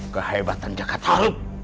kehebatan cekat tahu